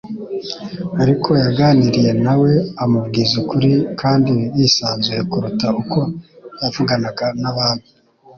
Ariko yaganiriye na we amubwiza ukuri kandi bisanzuye kuruta uko yavuganaga n’Abami,